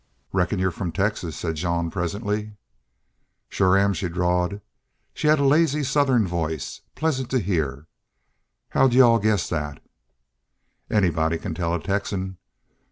"Reckon you're from Texas," said Jean, presently. "Shore am," she drawled. She had a lazy Southern voice, pleasant to hear. "How'd y'u all guess that?" "Anybody can tell a Texan.